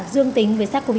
dương tính với sars cov hai